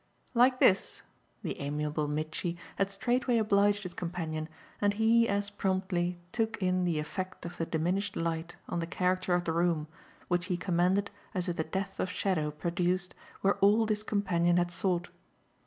"Like this?" The amiable Mitchy had straightway obliged his companion and he as promptly took in the effect of the diminished light on the character of the room, which he commended as if the depth of shadow produced were all this companion had sought.